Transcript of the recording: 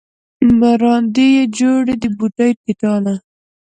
مراندې یې جوړې د بوډۍ د ټاله